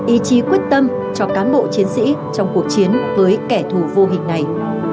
ý chí quyết tâm cho cán bộ chiến sĩ trong cuộc chiến với kẻ thù vô hình này